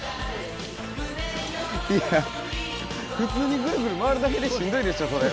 いや普通にぐるぐる回るだけでしんどいでしょそれ。